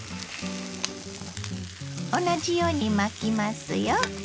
同じように巻きますよ。